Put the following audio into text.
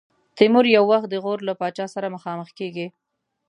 تیمور یو وخت د غور له پاچا سره مخامخ کېږي.